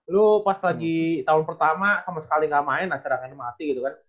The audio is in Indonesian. lo pas lagi tahun pertama sama sekali gak main nah cerakannya mati gitu kan